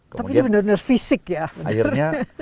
tapi ini benar benar fisik ya